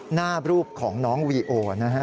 หน้ารูปของน้องวีโอนะฮะ